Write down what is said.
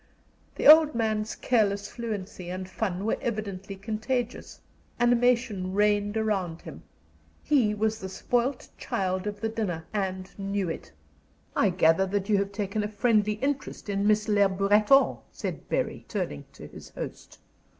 The old man's careless fluency and fun were evidently contagious; animation reigned around him; he was the spoiled child of the dinner, and knew it. "I gather that you have taken a friendly interest in Miss Le Breton," said Bury, turning to his host.